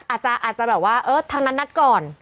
อาจจะแบบว่าเออทางนั้นนัดก่อน